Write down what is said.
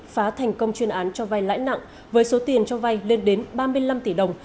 phá thành công chuyên án cho vay lãi nặng với số tiền cho vay lên đến ba mươi năm tỷ đồng